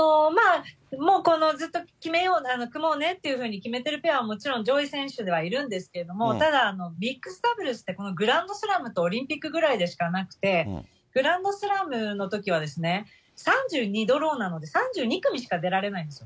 ずっと組もうねって決めてるペアも、もちろん上位選手ではいるんですけれども、ただミックスダブルスって、グランドスラムとオリンピックぐらいでしかなくて、グランドスラムのときは３２ドローなので、３２組しか出られないんです。